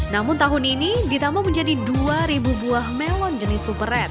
namun tahun ini ditambah menjadi dua buah melon jenis super red